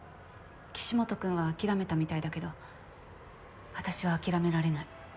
岸本君は諦めたみたいだけど私は諦められない。